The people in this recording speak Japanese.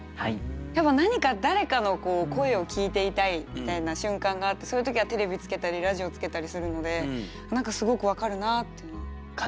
やっぱ何か誰かの声を聞いていたいみたいな瞬間があってそういう時はテレビつけたりラジオつけたりするので何かすごく分かるなと。